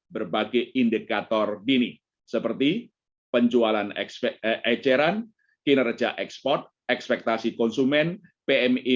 berbagai indikator dini seperti penjualan eceran kinerja ekspor ekspektasi konsumen pmi